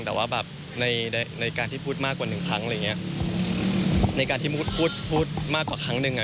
แต่ว่าแบบในในในการที่พูดมากกว่าหนึ่งครั้งอะไรอย่างเงี้ยในการที่มูดพูดพูดมากกว่าครั้งหนึ่งอ่ะ